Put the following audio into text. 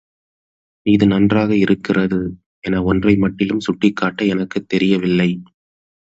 இது நன்றாக இருக்கிறது என ஒன்றை மட்டிலும் சுட்டிக் காட்ட எனக்குத் தெரியவில்லை.